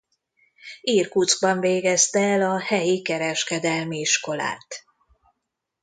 Irkutszkban végezte el a helyi kereskedelmi iskolát.